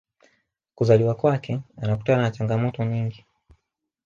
kuzaliwa kwake anakutana na changamoto nyingi